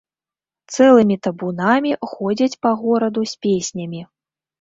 Цэлымі табунамі ходзяць па гораду з песнямі.